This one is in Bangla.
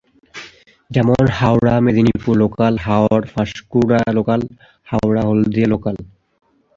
যেমন- Howrah-Medinipur local, Howrah-Panskura local, Howrah-Haldia local.